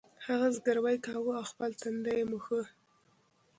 هغه زګیروی کاوه او خپل تندی یې مښه